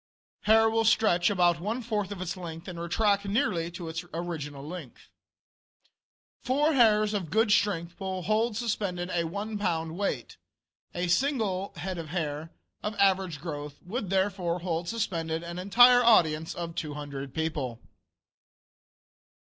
Hair will stretch about one fourth of its length and retract nearly to its original length. Four hairs of good strength will hold suspended a one pound weight. A single head of hair, of average growth, would therefore hold suspended an entire audience of 200 people.